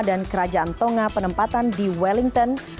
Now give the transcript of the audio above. dan kerajaan tonga penempatan di wellington